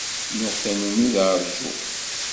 Nuɣ tannumi d ṛṛǧu.